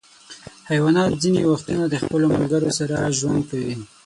حیوانات ځینې وختونه د خپلو ملګرو سره ژوند کوي.